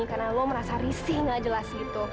karena lo merasa risih nggak jelas gitu